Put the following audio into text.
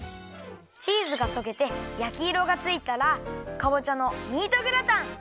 チーズがとけてやきいろがついたらかぼちゃのミートグラタン！